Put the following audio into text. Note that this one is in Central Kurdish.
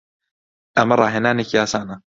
ئەمە ڕاهێنانێکی ئاسانە.